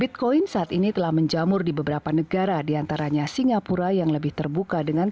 bitcoin saat ini telah menjamur di beberapa negara diantaranya singapura yang lebih terbuka dengan